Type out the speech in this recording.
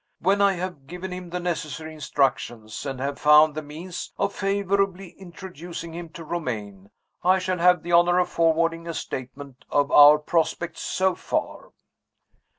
When I have given him the necessary instructions, and have found the means of favorably introducing him to Romayne, I shall have the honor of forwarding a statement of our prospects so far."